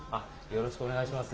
よろしくお願いします。